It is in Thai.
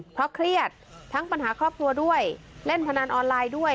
เพราะเครียดทั้งปัญหาครอบครัวด้วยเล่นพนันออนไลน์ด้วย